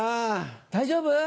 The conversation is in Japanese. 大丈夫？